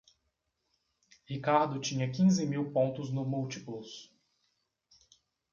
Ricardo tinha quinze mil pontos no Multiplus.